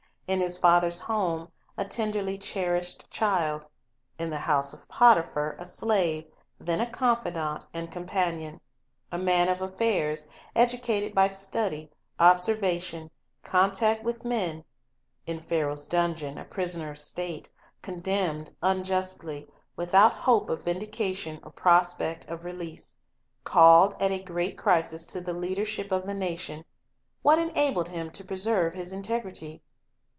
In his father's home a tenderly cherished child; in the house of Potiphar a slave, then a confidant and companion ; a man of affairs, educated by study, observation, contact with men; in Pharaoh's dungeon a prisoner of state, condemned un justly, without hope of vindication or prospect of release; called at a great crisis to the leadership of the nation, — what enabled him to preserve his integrity?